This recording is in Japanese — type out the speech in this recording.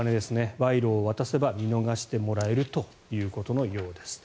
賄賂を渡せば見逃してもらえるということのようです。